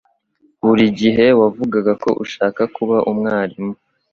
Buri gihe wavugaga ko ushaka kuba umwarimu.